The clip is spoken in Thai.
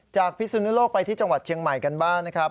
พิสุนุโลกไปที่จังหวัดเชียงใหม่กันบ้างนะครับ